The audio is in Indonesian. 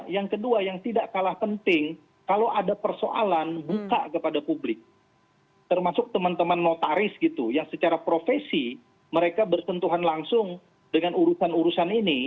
yang kedua yang tidak kalah penting kalau ada persoalan buka kepada publik termasuk teman teman notaris gitu yang secara profesi mereka bersentuhan langsung dengan urusan urusan ini